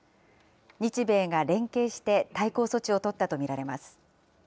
日米が連携して、対抗措置を取ったと見られます。